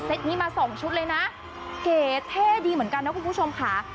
นี้มาสองชุดเลยนะเก๋เท่ดีเหมือนกันนะคุณผู้ชมค่ะ